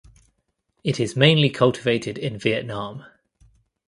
It is mainly cultivated in Vietnam.